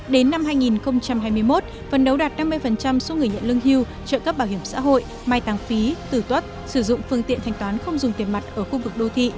đến năm hai nghìn hai mươi một phần đấu đạt năm mươi số người nhận lương hưu trợ cấp bảo hiểm xã hội mai tăng phí tử tuất sử dụng phương tiện thanh toán không dùng tiền mặt ở khu vực đô thị